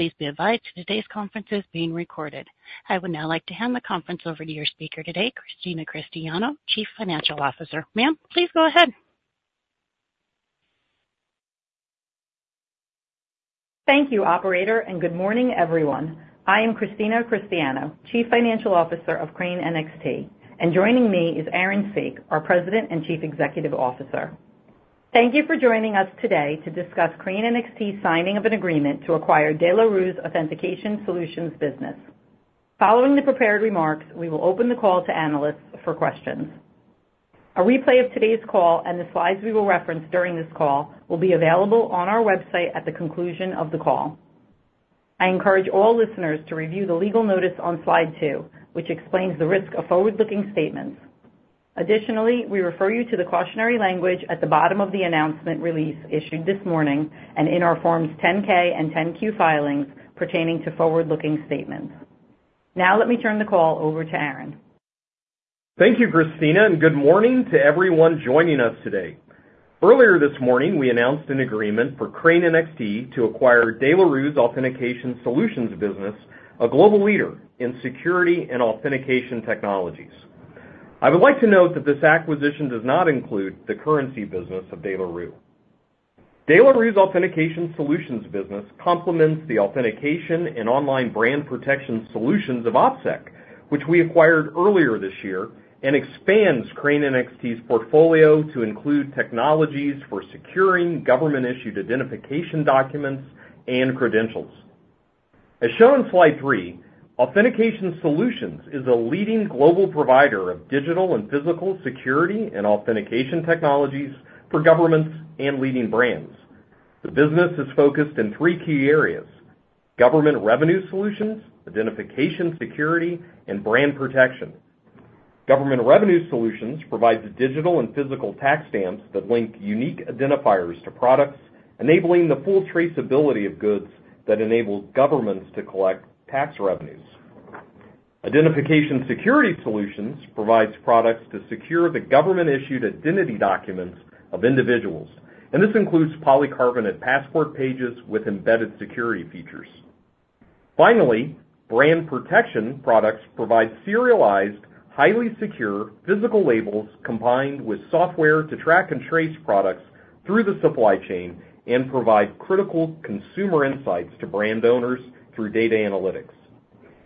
Please be advised today's conference is being recorded. I would now like to hand the conference over to your speaker today, Christina Cristiano, Chief Financial Officer. Ma'am, please go ahead. Thank you, operator, and good morning, everyone. I am Christina Cristiano, Chief Financial Officer of Crane NXT, and joining me is Aaron Saak, our President and Chief Executive Officer. Thank you for joining us today to discuss Crane NXT's signing of an agreement to acquire De La Rue's Authentication Solutions business. Following the prepared remarks, we will open the call to analysts for questions. A replay of today's call and the slides we will reference during this call will be available on our website at the conclusion of the call. I encourage all listeners to review the legal notice on slide two, which explains the risk of forward-looking statements. Additionally, we refer you to the cautionary language at the bottom of the announcement release issued this morning and in our Forms 10-K and 10-Q filings pertaining to forward-looking statements. Now, let me turn the call over to Aaron. Thank you, Christina, and good morning to everyone joining us today. Earlier this morning, we announced an agreement for Crane NXT to acquire De La Rue's Authentication Solutions business, a global leader in security and authentication technologies. I would like to note that this acquisition does not include the currency business of De La Rue. De La Rue's Authentication Solutions business complements the authentication and online brand protection solutions of OpSec, which we acquired earlier this year, and expands Crane NXT's portfolio to include technologies for securing government-issued identification documents and credentials. As shown in slide three, Authentication Solutions is a leading global provider of digital and physical security and authentication technologies for governments and leading brands. The business is focused in three key areas: Government Revenue Solutions, Identification Security, and Brand Protection. Government Revenue Solutions provides digital and physical tax stamps that link unique identifiers to products, enabling the full traceability of goods that enables governments to collect tax revenues. Identification Security Solutions provides products to secure the government-issued identity documents of individuals, and this includes polycarbonate passport pages with embedded security features. Finally, brand protection products provide serialized, highly secure physical labels, combined with software to track and trace products through the supply chain and provide critical consumer insights to brand owners through data analytics.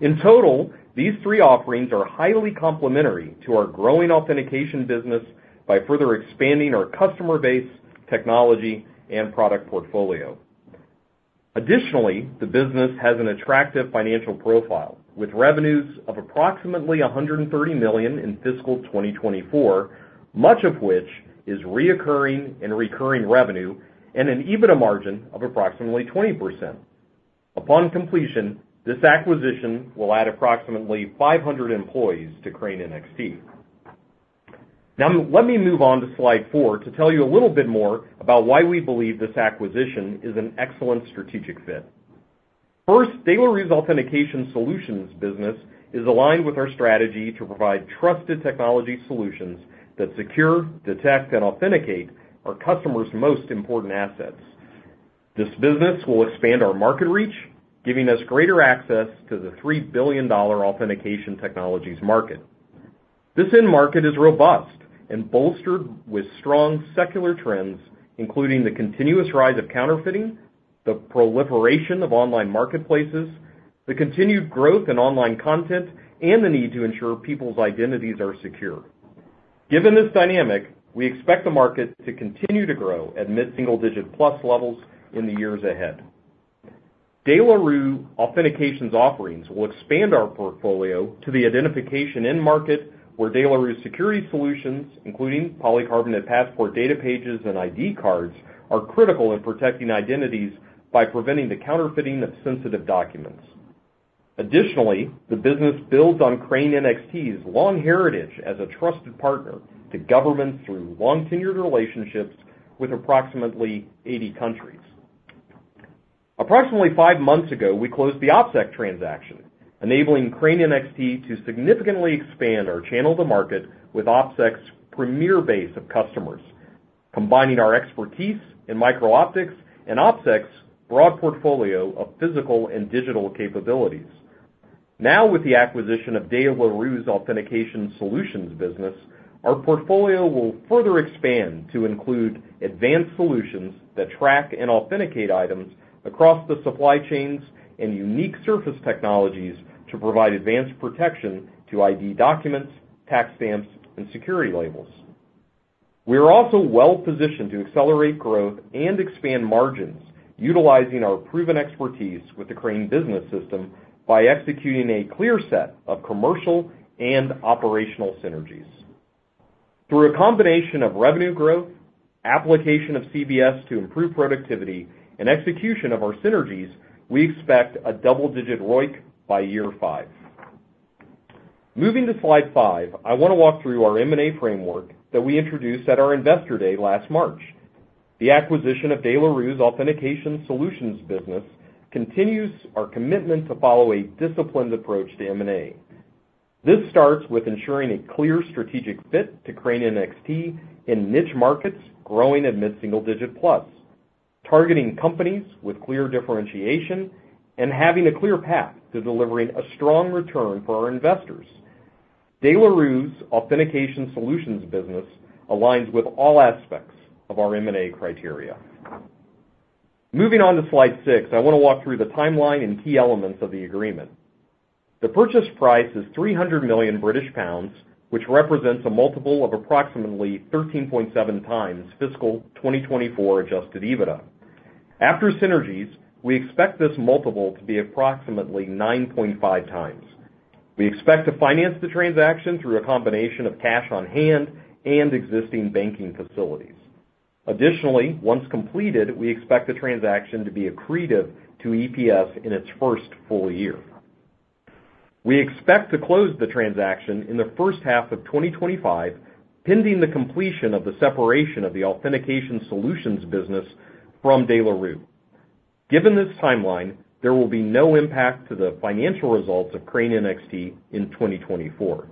In total, these three offerings are highly complementary to our growing authentication business by further expanding our customer base, technology, and product portfolio. Additionally, the business has an attractive financial profile, with revenues of approximately $130 million in fiscal 2024, much of which is reoccurring and recurring revenue, and an EBITDA margin of approximately 20%. Upon completion, this acquisition will add approximately 500 employees to Crane NXT. Now, let me move on to slide 4 to tell you a little bit more about why we believe this acquisition is an excellent strategic fit. First, De La Rue's Authentication Solutions business is aligned with our strategy to provide trusted technology solutions that secure, detect, and authenticate our customers' most important assets. This business will expand our market reach, giving us greater access to the $3 billion authentication technologies market. This end market is robust and bolstered with strong secular trends, including the continuous rise of counterfeiting, the proliferation of online marketplaces, the continued growth in online content, and the need to ensure people's identities are secure. Given this dynamic, we expect the market to continue to grow at mid-single-digit plus levels in the years ahead. De La Rue Authentication's offerings will expand our portfolio to the identification end market, where De La Rue's security solutions, including polycarbonate passport, data pages, and ID cards, are critical in protecting identities by preventing the counterfeiting of sensitive documents. Additionally, the business builds on Crane NXT's long heritage as a trusted partner to governments through long-tenured relationships with approximately eighty countries. Approximately five months ago, we closed the OpSec transaction, enabling Crane NXT to significantly expand our channel to market with OpSec's premier base of customers, combining our expertise in micro-optics and OpSec's broad portfolio of physical and digital capabilities. Now, with the acquisition of De La Rue's Authentication Solutions business, our portfolio will further expand to include advanced solutions that track and authenticate items across the supply chains and unique surface technologies to provide advanced protection to ID documents, tax stamps, and security labels. We are also well-positioned to accelerate growth and expand margins, utilizing our proven expertise with the Crane Business System by executing a clear set of commercial and operational synergies. Through a combination of revenue growth, application of CBS to improve productivity, and execution of our synergies, we expect a double-digit ROIC by year five. Moving to slide five, I want to walk through our M&A framework that we introduced at our Investor Day last March. The acquisition of De La Rue's Authentication Solutions business continues our commitment to follow a disciplined approach to M&A. This starts with ensuring a clear strategic fit to Crane NXT in niche markets, growing at mid-single digit plus, targeting companies with clear differentiation, and having a clear path to delivering a strong return for our investors. De La Rue's Authentication Solutions business aligns with all aspects of our M&A criteria. Moving on to slide six, I want to walk through the timeline and key elements of the agreement. The purchase price is 300 million British pounds, which represents a multiple of approximately 13.7 times fiscal 2024 Adjusted EBITDA. After synergies, we expect this multiple to be approximately 9.5 times. We expect to finance the transaction through a combination of cash on hand and existing banking facilities. Additionally, once completed, we expect the transaction to be accretive to EPS in its first full year. We expect to close the transaction in the first half of 2025, pending the completion of the separation of the Authentication Solutions business from De La Rue. Given this timeline, there will be no impact to the financial results of Crane NXT in 2024.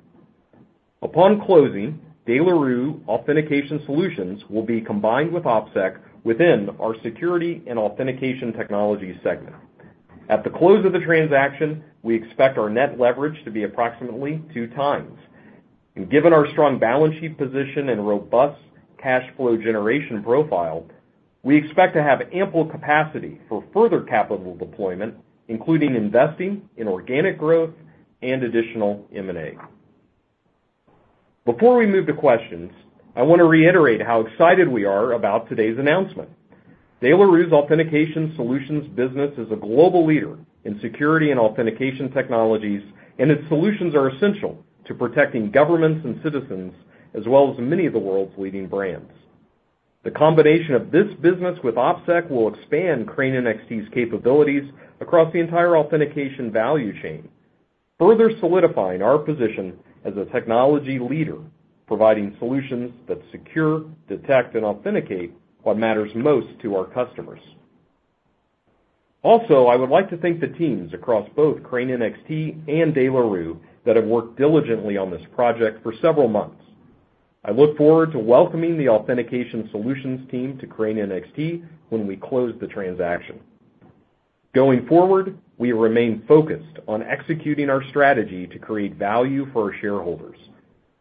Upon closing, De La Rue Authentication Solutions will be combined with OpSec within our Security and Authentication Technology segment. At the close of the transaction, we expect our net leverage to be approximately two times, and given our strong balance sheet position and robust cash flow generation profile, we expect to have ample capacity for further capital deployment, including investing in organic growth and additional M&A. Before we move to questions, I want to reiterate how excited we are about today's announcement. De La Rue's Authentication Solutions business is a global leader in security and authentication technologies, and its solutions are essential to protecting governments and citizens, as well as many of the world's leading brands. The combination of this business with OpSec will expand Crane NXT's capabilities across the entire authentication value chain, further solidifying our position as a technology leader, providing solutions that secure, detect, and authenticate what matters most to our customers. Also, I would like to thank the teams across both Crane NXT and De La Rue that have worked diligently on this project for several months. I look forward to welcoming the Authentication Solutions team to Crane NXT when we close the transaction. Going forward, we remain focused on executing our strategy to create value for our shareholders.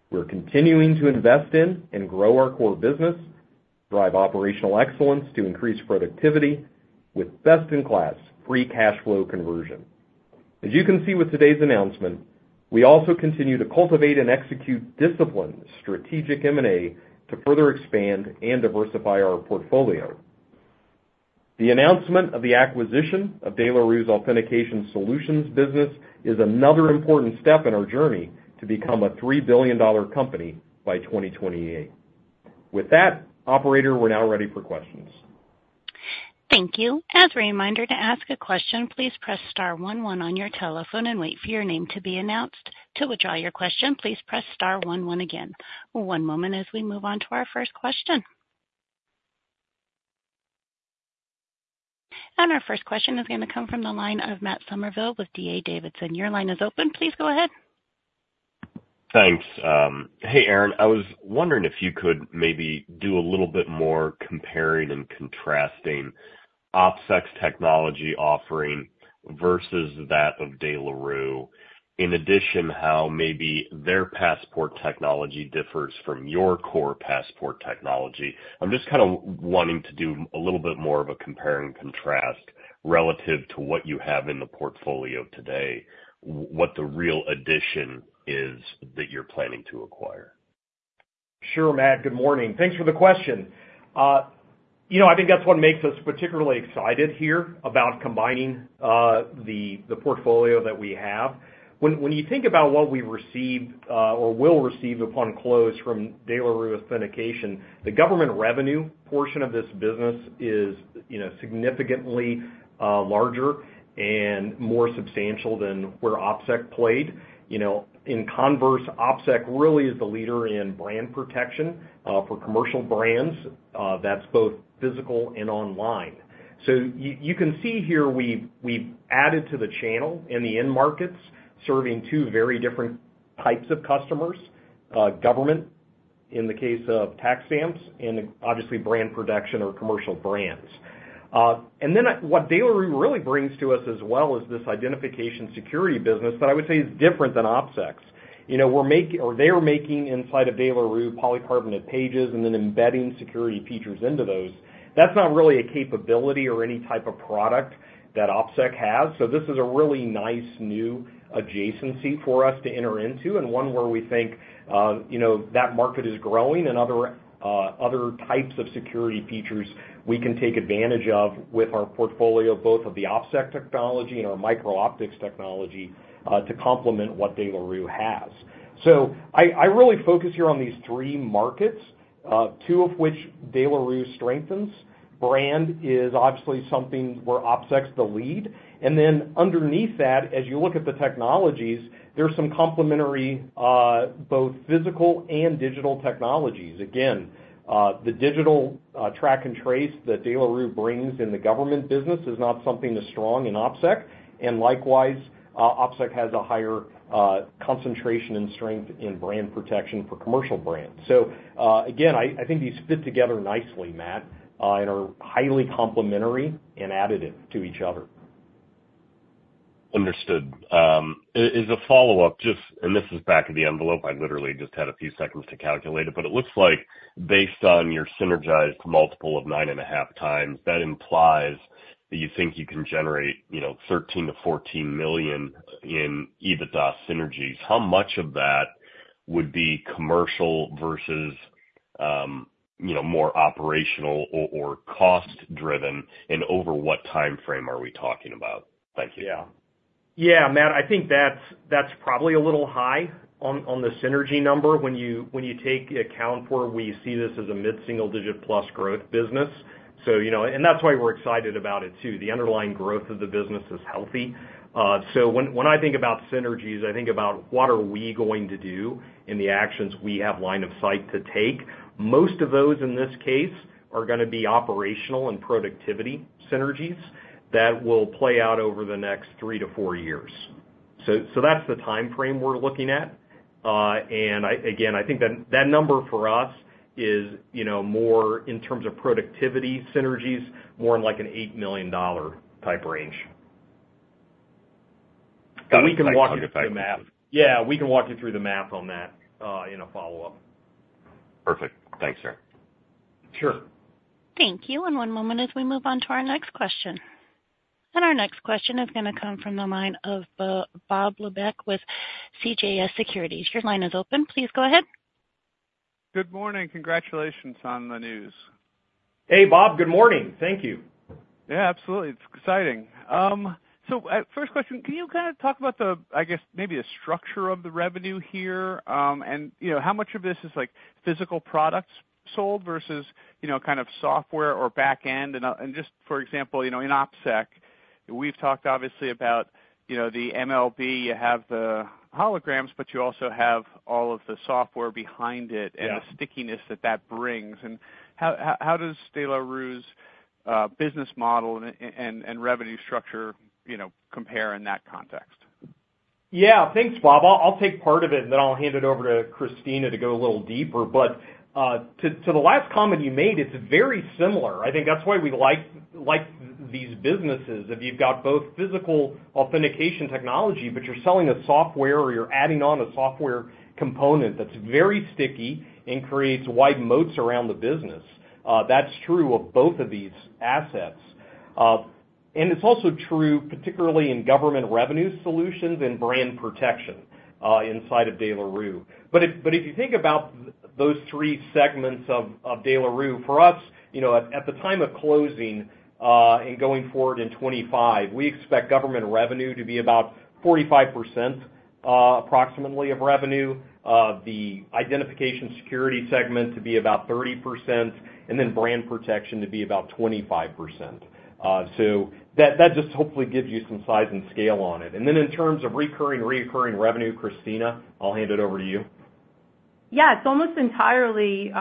We're continuing to invest in and grow our core business, drive operational excellence to increase productivity with best-in-class free cash flow conversion. As you can see with today's announcement, we also continue to cultivate and execute disciplined strategic M&A to further expand and diversify our portfolio. The announcement of the acquisition of De La Rue's Authentication Solutions business is another important step in our journey to become a $3 billion company by 2028. With that, operator, we're now ready for questions. Thank you. As a reminder, to ask a question, please press star one one on your telephone and wait for your name to be announced. To withdraw your question, please press star one one again. One moment as we move on to our first question. And our first question is going to come from the line of Matt Summerville with D.A. Davidson. Your line is open. Please go ahead. Thanks. Hey, Aaron, I was wondering if you could maybe do a little bit more comparing and contrasting OpSec's technology offering versus that of De La Rue. In addition, how maybe their passport technology differs from your core passport technology. I'm just kind of wanting to do a little bit more of a compare and contrast relative to what you have in the portfolio today, what the real addition is that you're planning to acquire. Sure, Matt. Good morning. Thanks for the question. You know, I think that's what makes us particularly excited here about combining the portfolio that we have. When you think about what we received or will receive upon close from De La Rue Authentication, the government revenue portion of this business is, you know, significantly larger and more substantial than where OpSec played. You know, in converse, OpSec really is the leader in brand protection for commercial brands, that's both physical and online. So you can see here, we've added to the channel and the end markets, serving two very different types of customers, government, in the case of tax stamps, and obviously, brand protection or commercial brands. And then what De La Rue really brings to us as well is this identification security business that I would say is different than OpSec's. You know, we're making or they're making inside of De La Rue, polycarbonate pages and then embedding security features into those. That's not really a capability or any type of product that OpSec has. So this is a really nice new adjacency for us to enter into, and one where we think, you know, that market is growing and other types of security features we can take advantage of with our portfolio, both of the OpSec technology and our micro-optics technology to complement what De La Rue has. So I really focus here on these three markets, two of which De La Rue strengthens. Brand is obviously something where OpSec's the lead. And then underneath that, as you look at the technologies, there's some complementary both physical and digital technologies. Again, the digital track and trace that De La Rue brings in the government business is not something that's strong in OpSec, and likewise, OpSec has a higher concentration and strength in brand protection for commercial brands. So, again, I think these fit together nicely, Matt, and are highly complementary and additive to each other. Understood. As a follow-up, just, and this is back of the envelope. I literally just had a few seconds to calculate it, but it looks like based on your synergized multiple of nine and a half times, that implies that you think you can generate, you know, 13-14 million in EBITDA synergies. How much of that would be commercial versus, you know, more operational or cost driven, and over what timeframe are we talking about? Thank you. Yeah. Yeah, Matt, I think that's probably a little high on the synergy number when you take account for we see this as a mid-single digit plus growth business. So, you know, and that's why we're excited about it too. The underlying growth of the business is healthy. So when I think about synergies, I think about what are we going to do in the actions we have line of sight to take. Most of those, in this case, are gonna be operational and productivity synergies that will play out over the next three to four years. So that's the timeframe we're looking at. And again, I think that number for us is, you know, more in terms of productivity synergies, more in, like, a $8 million type range. Got it. We can walk you through the math. I'll get back to you. Yeah, we can walk you through the math on that, in a follow-up. Perfect. Thanks, sir. Sure. Thank you. And one moment as we move on to our next question. And our next question is gonna come from the line of Bob Labick with CJS Securities. Your line is open. Please go ahead. Good morning. Congratulations on the news. Hey, Bob. Good morning. Thank you. Yeah, absolutely. It's exciting. First question, can you kind of talk about the, I guess, maybe the structure of the revenue here? And, you know, how much of this is, like, physical products sold versus, you know, kind of software or back end? And just for example, you know, in OpSec, we've talked obviously about, you know, the MLB, you have the holograms, but you also have all of the software behind it- Yeah. and the stickiness that that brings. And how does De La Rue's business model and revenue structure, you know, compare in that context? Yeah, thanks, Bob. I'll take part of it, and then I'll hand it over to Christina to go a little deeper. But to the last comment you made, it's very similar. I think that's why we like these businesses. If you've got both physical authentication technology, but you're selling a software or you're adding on a software component, that's very sticky and creates wide moats around the business. That's true of both of these assets. And it's also true, particularly in government revenue solutions and brand protection, inside of De La Rue. If you think about those three segments of De La Rue, for us, you know, at the time of closing, and going forward in 2025, we expect government revenue to be about 45%, approximately, of revenue, the identification security segment to be about 30%, and then brand protection to be about 25%. So that just hopefully gives you some size and scale on it. And then in terms of recurring, reoccurring revenue, Christina, I'll hand it over to you. Yeah, it's almost entirely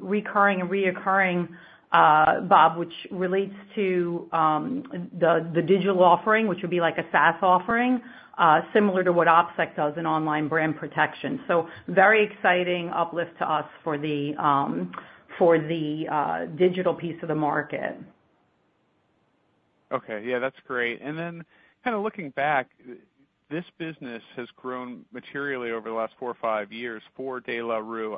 recurring and reoccurring, Bob, which relates to the digital offering, which would be like a SaaS offering, similar to what OpSec does in online brand protection. So very exciting uplift to us for the digital piece of the market. Okay. Yeah, that's great. And then kind of looking back, this business has grown materially over the last four or five years for De La Rue.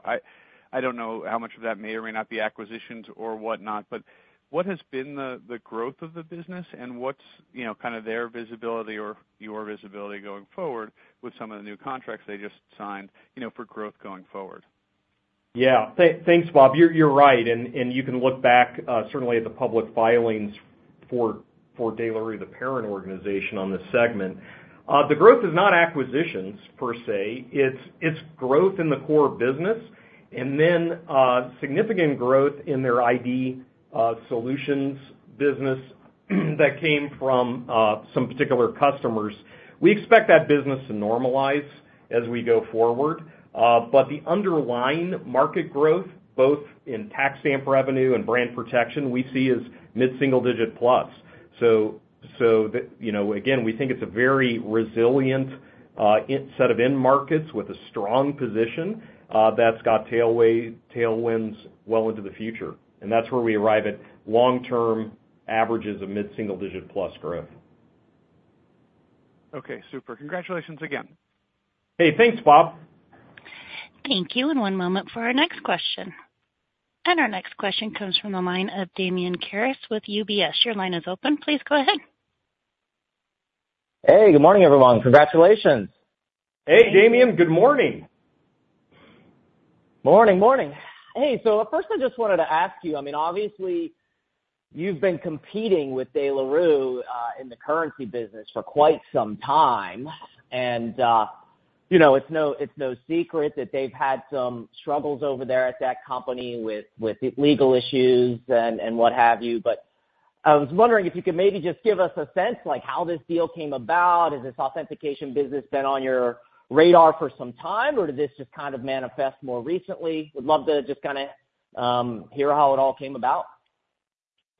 I don't know how much of that may or may not be acquisitions or whatnot, but what has been the growth of the business and what's, you know, kind of their visibility or your visibility going forward with some of the new contracts they just signed, you know, for growth going forward? Yeah. Thanks, Bob. You're right, and you can look back certainly at the public filings for De La Rue, the parent organization on this segment. The growth is not acquisitions per se, it's growth in the core business and then significant growth in their ID solutions business that came from some particular customers. We expect that business to normalize as we go forward, but the underlying market growth, both in tax stamp revenue and brand protection, we see as mid-single digit plus. So the... You know, again, we think it's a very resilient set of end markets with a strong position that's got tailwinds well into the future. And that's where we arrive at long-term averages of mid-single digit plus growth. Okay, super. Congratulations again. Hey, thanks, Bob. Thank you. One moment for our next question. Our next question comes from the line of Damian Karas with UBS. Your line is open. Please go ahead. Hey, good morning, everyone. Congratulations. Hey, Damian. Good morning. Morning, morning. Hey, so first I just wanted to ask you, I mean, obviously, you've been competing with De La Rue in the currency business for quite some time, and, you know, it's no, it's no secret that they've had some struggles over there at that company with, with legal issues and, and what have you. But I was wondering if you could maybe just give us a sense, like, how this deal came about. Has this authentication business been on your radar for some time, or did this just kind of manifest more recently? Would love to just kinda hear how it all came about.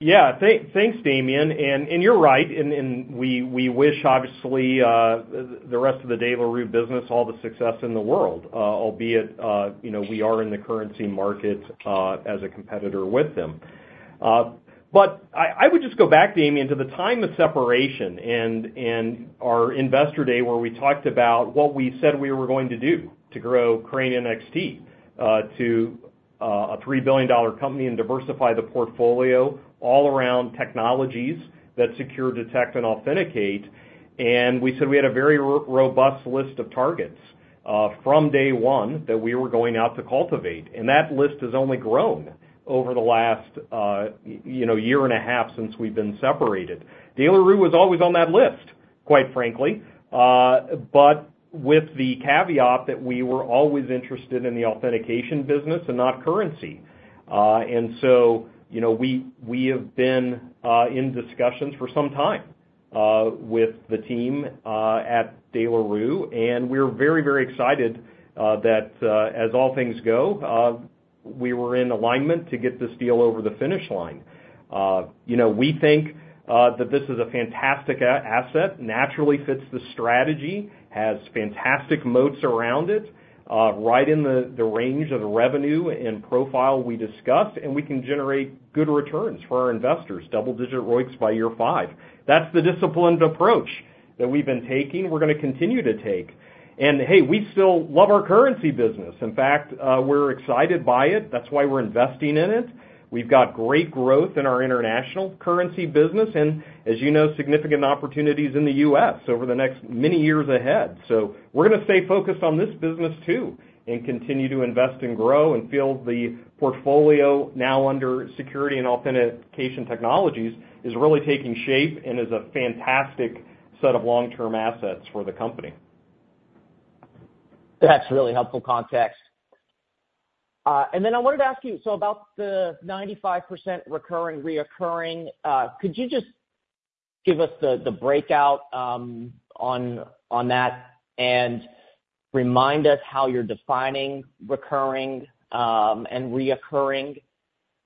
Yeah. Thanks, Damian, and you're right, and we wish, obviously, the rest of the De La Rue business all the success in the world, albeit, you know, we are in the currency market as a competitor with them. But I would just go back, Damian, to the time of separation and our investor day, where we talked about what we said we were going to do to grow Crane NXT to a $3 billion company and diversify the portfolio all around technologies that secure, detect, and authenticate. And we said we had a very robust list of targets from day one that we were going out to cultivate, and that list has only grown over the last, you know, year and a half since we've been separated. De La Rue was always on that list, quite frankly, but with the caveat that we were always interested in the authentication business and not currency, and so, you know, we have been in discussions for some time with the team at De La Rue, and we're very, very excited that as all things go we were in alignment to get this deal over the finish line. You know, we think that this is a fantastic asset, naturally fits the strategy, has fantastic moats around it, right in the range of the revenue and profile we discussed, and we can generate good returns for our investors, double-digit ROICs by year five. That's the disciplined approach that we've been taking, we're gonna continue to take, and hey, we still love our currency business. In fact, we're excited by it. That's why we're investing in it. We've got great growth in our international currency business and, as you know, significant opportunities in the U.S. over the next many years ahead. So we're gonna stay focused on this business too, and continue to invest and grow and feel the portfolio now under security and authentication technologies, is really taking shape and is a fantastic set of long-term assets for the company. That's really helpful context, and then I wanted to ask you, so about the 95% recurring, reoccurring, could you just give us the breakout on that, and remind us how you're defining recurring and reoccurring?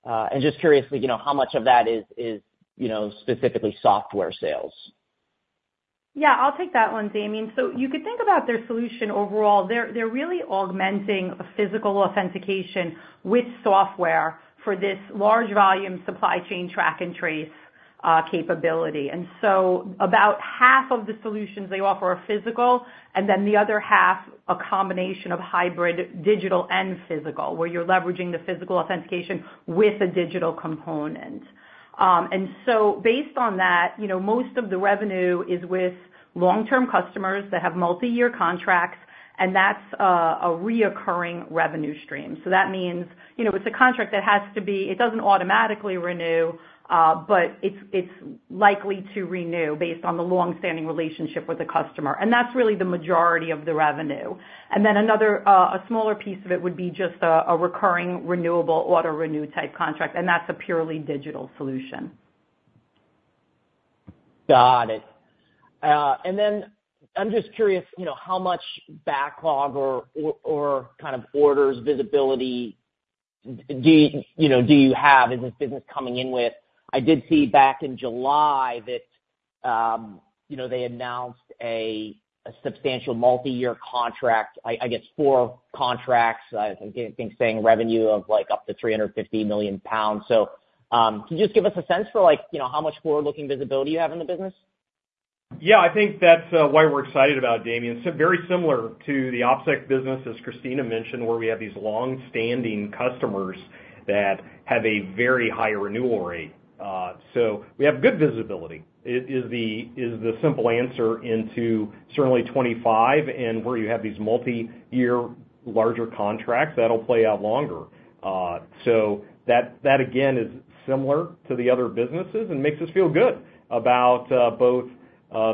And just curiously, you know, how much of that is, you know, specifically software sales? Yeah, I'll take that one, Damian. So you could think about their solution overall. They're really augmenting physical authentication with software for this large volume supply chain track and trace capability. And so about half of the solutions they offer are physical, and then the other half, a combination of hybrid, digital and physical, where you're leveraging the physical authentication with a digital component. And so based on that, you know, most of the revenue is with long-term customers that have multiyear contracts, and that's a reoccurring revenue stream. So that means, you know, it's a contract that has to be, it doesn't automatically renew, but it's likely to renew based on the long-standing relationship with the customer, and that's really the majority of the revenue. And then another, a smaller piece of it would be just a recurring, renewable, auto-renew type contract, and that's a purely digital solution. Got it. And then I'm just curious, you know, how much backlog or kind of orders visibility do you, you know, have in this business coming in with? I did see back in July that, you know, they announced a substantial multi-year contract, I guess four contracts, I think saying revenue of, like, up to 350 million pounds. So, can you just give us a sense for like, you know, how much forward-looking visibility you have in the business? Yeah, I think that's why we're excited about it, Damian. It's very similar to the OpSec business, as Christina mentioned, where we have these long-standing customers that have a very high renewal rate. So we have good visibility, it is the simple answer into certainly 2025, and where you have these multiyear larger contracts, that'll play out longer. So that again is similar to the other businesses and makes us feel good about both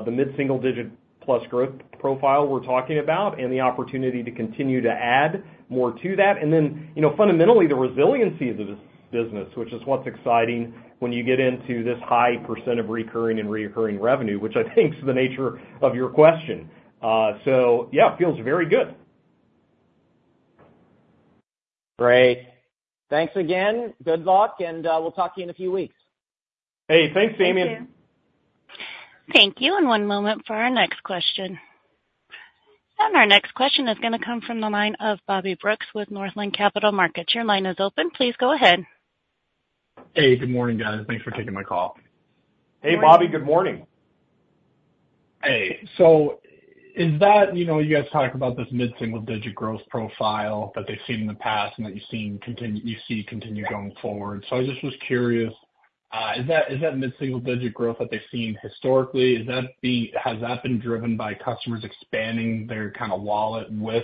the mid-single digit plus growth profile we're talking about and the opportunity to continue to add more to that. Then, you know, fundamentally, the resiliency of the business, which is what's exciting when you get into this high percent of recurring and reoccurring revenue, which I think is the nature of your question. So yeah, it feels very good. Great. Thanks again. Good luck, and we'll talk to you in a few weeks. Hey, thanks, Damian. Thank you, and one moment for our next question. And our next question is gonna come from the line of Bobby Brooks with Northland Capital Markets. Your line is open. Please go ahead. Hey, good morning, guys. Thanks for taking my call. Hey, Bobby, good morning. Hey, so is that... You know, you guys talk about this mid-single digit growth profile that they've seen in the past and that you've seen continue you see continue going forward. So I just was curious, is that mid-single digit growth that they've seen historically, has that been driven by customers expanding their kind of wallet share...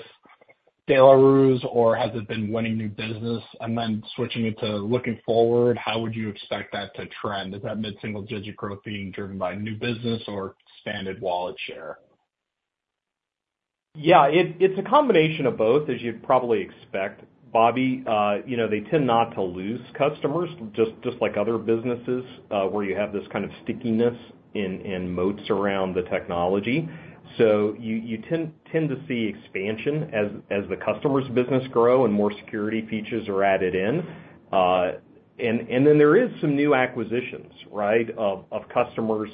De La Rue's, or has it been winning new business? And then switching it to looking forward, how would you expect that to trend? Is that mid-single digit growth being driven by new business or standard wallet share? Yeah, it's a combination of both, as you'd probably expect, Bobby. You know, they tend not to lose customers, just like other businesses, where you have this kind of stickiness in moats around the technology. So you tend to see expansion as the customer's business grow and more security features are added in. And then there is some new acquisitions, right, of customers.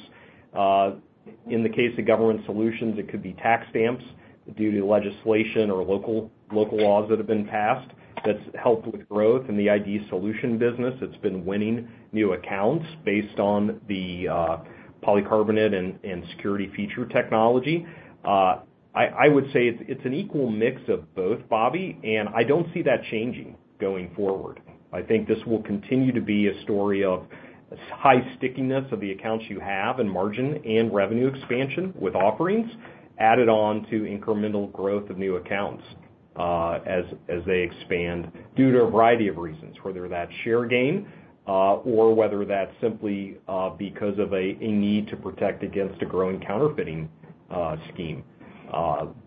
In the case of government solutions, it could be tax stamps due to legislation or local laws that have been passed. That's helped with growth in the ID solution business. It's been winning new accounts based on the polycarbonate and security feature technology. I would say it's an equal mix of both, Bobby, and I don't see that changing going forward. I think this will continue to be a story of high stickiness of the accounts you have, and margin and revenue expansion, with offerings added on to incremental growth of new accounts, as they expand due to a variety of reasons, whether that's share gain, or whether that's simply because of a need to protect against a growing counterfeiting scheme,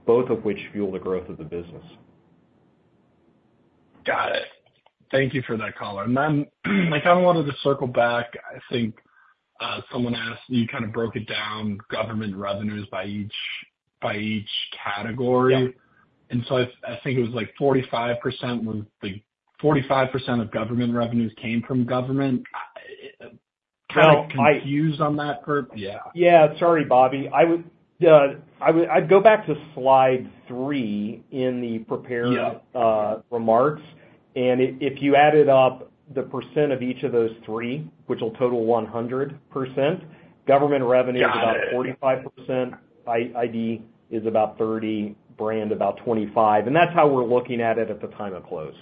both of which fuel the growth of the business. Got it. Thank you for that color. And then, I kind of wanted to circle back. I think, someone asked, you kind of broke it down, government revenues by each category. Yeah. And so I think it was like 45% when like 45% of government revenues came from government. I... Well, I- Kind of confused on that part. Yeah. Yeah. Sorry, Bobby. I'd go back to slide three in the prepared- Yeah.... remarks, and if you added up the percent of each of those three, which will total 100%, government revenue- Got it.... is about 45%, ID is about 30%, brand about 25%, and that's how we're looking at it at the time of close.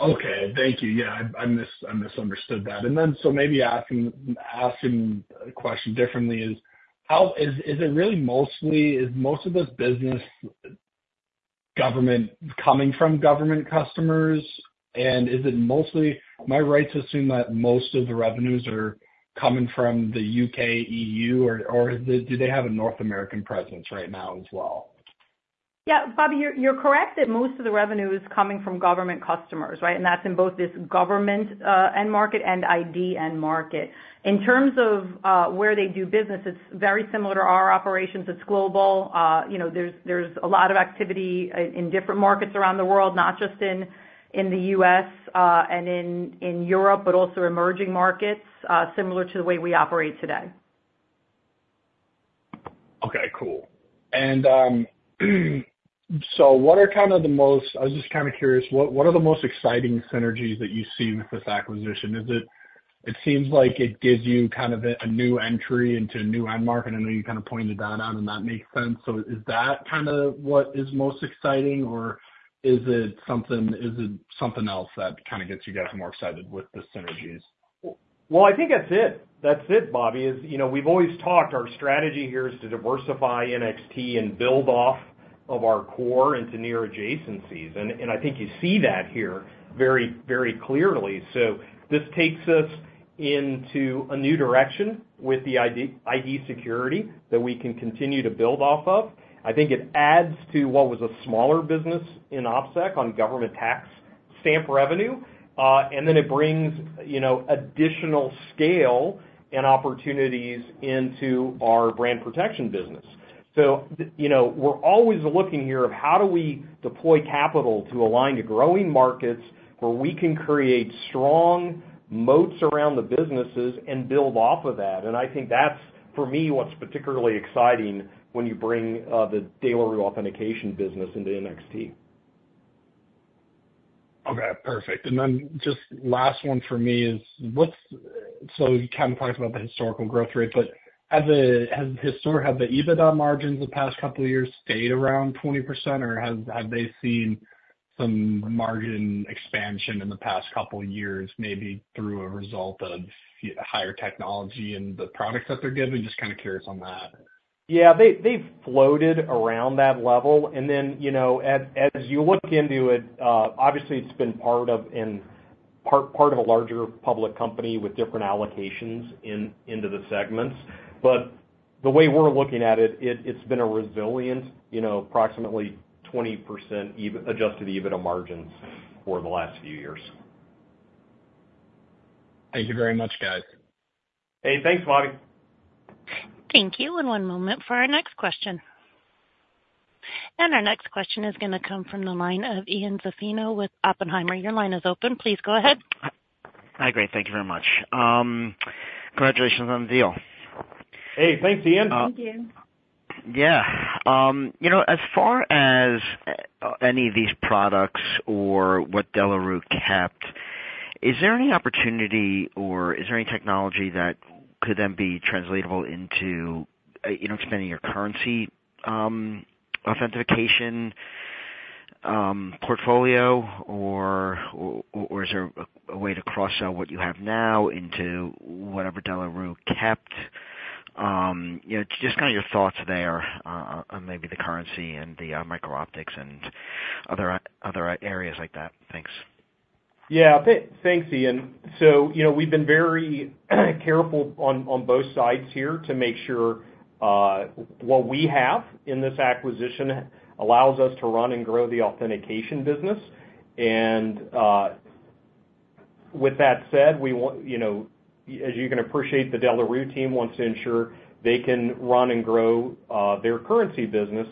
Okay. Thank you. Yeah, I misunderstood that. And then, so maybe asking a question differently is: How is it really mostly government, coming from government customers? And is it mostly – am I right to assume that most of the revenues are coming from the U.K., EU, or do they have a North American presence right now as well? Yeah, Bobby, you're correct that most of the revenue is coming from government customers, right? And that's in both this government end market and ID end market. In terms of where they do business, it's very similar to our operations. It's global. You know, there's a lot of activity in different markets around the world, not just in the U.S. and in Europe, but also emerging markets, similar to the way we operate today. Okay, cool. And so I was just kind of curious, what are the most exciting synergies that you see with this acquisition? Is it? It seems like it gives you kind of a new entry into a new end market. I know you kind of pointed that out, and that makes sense. So is that kind of what is most exciting, or is it something else that kind of gets you guys more excited with the synergies? I think that's it. That's it, Bobby. As you know, we've always talked. Our strategy here is to diversify NXT and build off of our core into near adjacencies and I think you see that here very, very clearly, so this takes us into a new direction with the ID security that we can continue to build off of. I think it adds to what was a smaller business in OpSec on government tax stamp revenue and then it brings, you know, additional scale and opportunities into our brand protection business, so you know, we're always looking to how do we deploy capital to align to growing markets, where we can create strong moats around the businesses and build off of that and I think that's, for me, what's particularly exciting when you bring the De La Rue Authentication business into NXT. Okay, perfect. And then just the last one for me is, what's... So you kind of talked about the historical growth rate, but as a, as historic, have the EBITDA margins the past couple of years stayed around 20%, or have they seen some margin expansion in the past couple of years, maybe through a result of higher technology and the products that they're giving? Just kind of curious on that. Yeah, they, they've floated around that level. And then, you know, as you look into it, obviously, it's been part of a larger public company with different allocations into the segments. But the way we're looking at it, it's been a resilient, you know, approximately 20% Adjusted EBITDA margins for the last few years. Thank you very much, guys. Hey, thanks, Bobby. Thank you, and one moment for our next question. And our next question is going to come from the line of Ian Zaffino with Oppenheimer. Your line is open. Please go ahead. Hi, great. Thank you very much. Congratulations on the deal. Hey, thanks, Ian. Thanks, Ian. Yeah. You know, as far as any of these products or what De La Rue kept, is there any opportunity or is there any technology that could then be translatable into, you know, expanding your currency authentication portfolio? Or is there a way to cross-sell what you have now into whatever De La Rue kept? You know, just kind of your thoughts there on maybe the currency and the micro-optics and other areas like that. Thanks. Yeah, thanks, Ian. So, you know, we've been very careful on both sides here to make sure what we have in this acquisition allows us to run and grow the authentication business. And, with that said, we want, you know, as you can appreciate, the De La Rue team wants to ensure they can run and grow their currency business,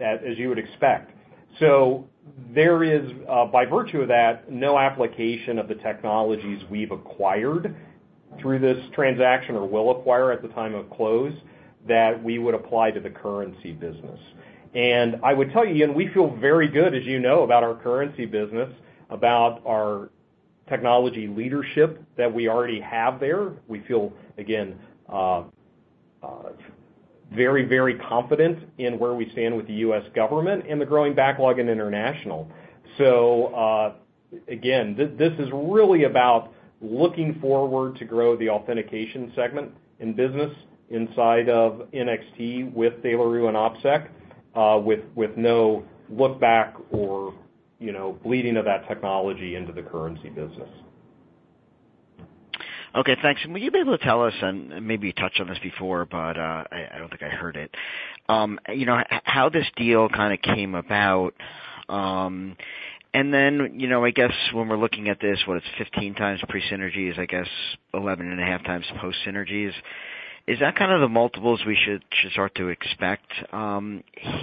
as you would expect. So there is, by virtue of that, no application of the technologies we've acquired through this transaction or will acquire at the time of close, that we would apply to the currency business. And I would tell you, Ian, we feel very good, as you know, about our currency business, about our technology leadership that we already have there. We feel, again, very, very confident in where we stand with the U.S. government and the growing backlog in international. So, again, this is really about looking forward to grow the authentication segment in business inside of NXT with De La Rue and OpSec, with no look back or, you know, bleeding of that technology into the currency business. Okay, thanks. Will you be able to tell us, and maybe you touched on this before, but I don't think I heard it. You know, how this deal kind of came about? And then, you know, I guess when we're looking at this, what it's fifteen times pre synergies, I guess eleven and a half times post synergies. Is that kind of the multiples we should start to expect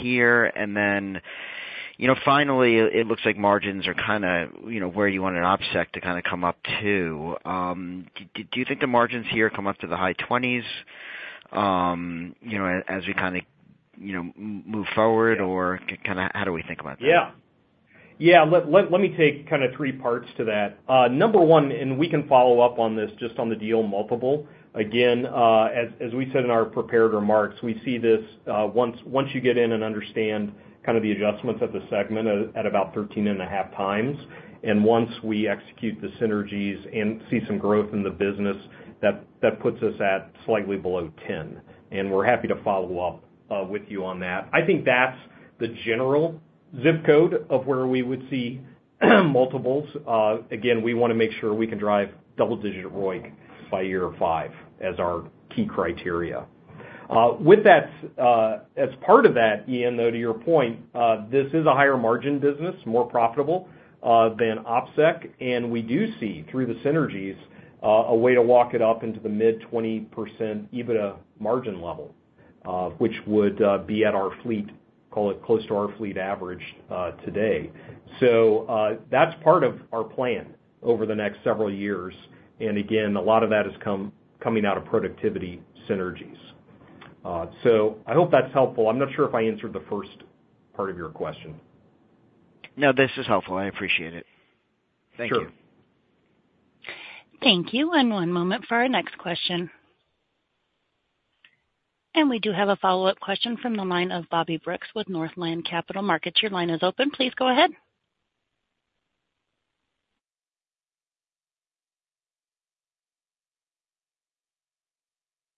here? And then, you know, finally, it looks like margins are kind of, you know, where you want an OpSec to kind of come up to. Do you think the margins here come up to the high twenties, you know, as we kind of move forward, or kind of how do we think about that? Yeah. Yeah, let me take kind of three parts to that. Number one, and we can follow up on this, just on the deal multiple. Again, as we said in our prepared remarks, we see this, once you get in and understand kind of the adjustments at the segment at about 13.5 times, and once we execute the synergies and see some growth in the business, that puts us at slightly below 10, and we're happy to follow up with you on that. I think that's the general zip code of where we would see multiples. Again, we want to make sure we can drive double-digit ROIC by year five as our key criteria. With that, as part of that, Ian, though, to your point, this is a higher margin business, more profitable, than OpSec, and we do see, through the synergies, a way to walk it up into the mid-20% EBITDA margin level, which would be at our fleet, call it, close to our fleet average, today, so that's part of our plan over the next several years, and again, a lot of that is coming out of productivity synergies, so I hope that's helpful. I'm not sure if I answered the first part of your question. No, this is helpful. I appreciate it. Sure. Thank you. Thank you, and one moment for our next question. And we do have a follow-up question from the line of Bobby Brooks with Northland Capital Markets. Your line is open. Please go ahead.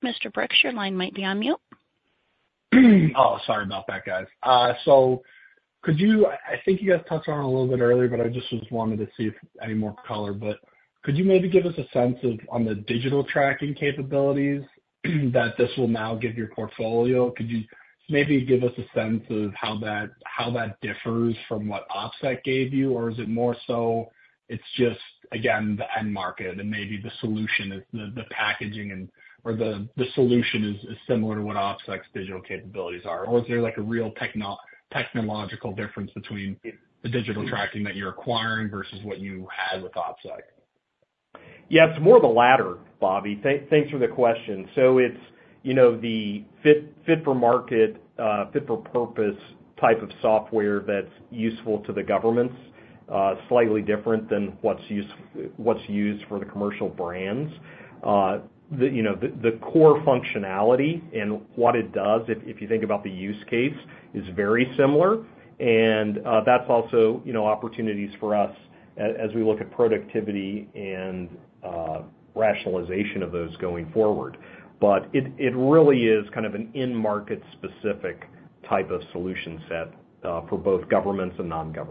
Mr. Brooks, your line might be on mute. Oh, sorry about that, guys. So could you... I think you guys touched on it a little bit earlier, but I just wanted to see if any more color, but could you maybe give us a sense of, on the digital tracking capabilities, that this will now give your portfolio? Could you maybe give us a sense of how that differs from what OpSec gave you? Or is it more so it's just, again, the end market and maybe the solution is the packaging or the solution is similar to what OpSec's digital capabilities are? Or is there like, a real technological difference between the digital tracking that you're acquiring versus what you had with OpSec? Yeah, it's more the latter, Bobby. Thanks for the question. So it's, you know, the fit for market, fit for purpose type of software that's useful to the governments, slightly different than what's used for the commercial brands. You know, the core functionality and what it does, if you think about the use case, is very similar. And that's also, you know, opportunities for us as we look at productivity and rationalization of those going forward. But it really is kind of an in-market specific type of solution set for both governments and non-governments.